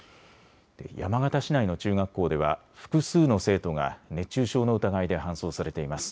山形市内の中学校では複数の生徒が熱中症の疑いで搬送されています。